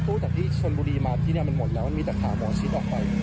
รถตู้จากที่ชนบุรีมาที่นี่มันหมดแล้วมีแต่ขาบอชิดออกไป